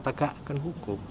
tak akan hukum